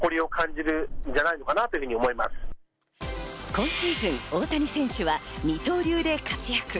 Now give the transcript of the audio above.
今シーズン、大谷選手は二刀流で活躍。